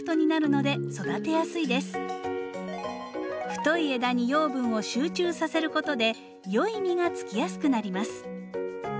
太い枝に養分を集中させることで良い実がつきやすくなります。